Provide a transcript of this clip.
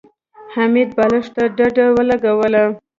حميد بالښت ته ډډه ولګوله.